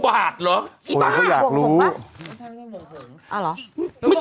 เป็นการกระตุ้นการไหลเวียนของเลือด